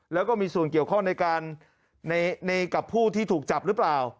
แล้วก็มีส่วนเกี่ยวข้องในกับผู้ที่ถูกจับหรือเปล่า